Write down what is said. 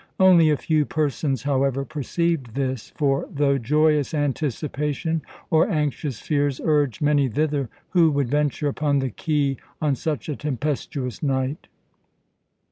Only a few persons, however, perceived this; for, though joyous anticipation or anxious fears urged many thither, who would venture upon the quay on such a tempestuous night?